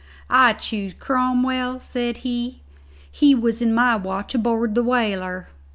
"I choose Cromwell," said he; "he was in my watch aboard the whaler."